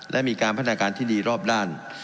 และมีการพัฒนาการที่ดีรอบด้าน